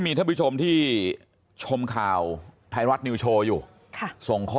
มีท่านผู้ชมที่ชมข่าวไทยรัฐนิวโชว์อยู่ส่งข้อ